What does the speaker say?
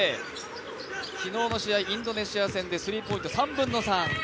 昨日の試合、インドネシア戦でスリーポイント、３分の３。